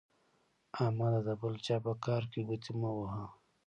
احمده د بل چا په کار کې ګوتې مه وهه.